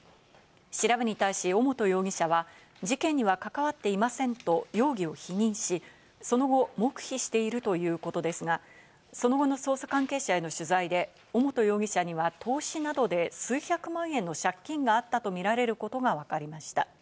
調べに対し尾本容疑者は、事件にはかかわっていませんと容疑を否認し、その後、黙秘しているということですが、その後の捜査関係者への取材で、尾本容疑者には投資などで数百万円の借金があったとみられることがわかりました。